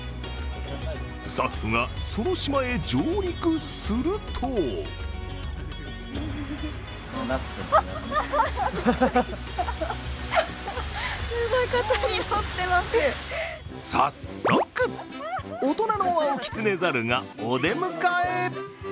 スタッフが、その島へ上陸すると早速、大人のワオキツネザルがお出迎え。